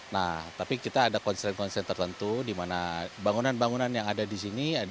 nah tapi kita ada konser konsen tertentu di mana bangunan bangunan yang ada di sini